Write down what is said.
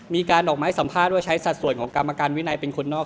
มีการออกมาให้สัมภาษณ์ว่าใช้สัดส่วนของกรรมการวินัยเป็นคนนอก